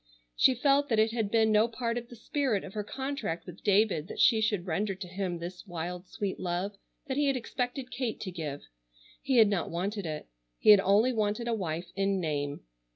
She felt that it had been no part of the spirit of her contract with David that she should render to him this wild sweet love that he had expected Kate to give. He had not wanted it. He had only wanted a wife in name.